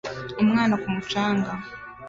Umwana ku mucanga